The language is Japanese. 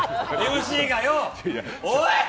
ＭＣがよ、おい！